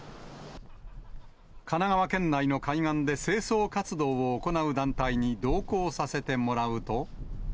神奈川県内の海岸で清掃活動を行う団体に同行させてもらうと。